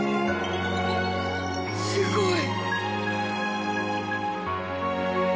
すごい！